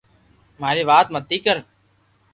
ماري وات متي ڪر